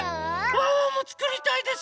ワンワンもつくりたいです。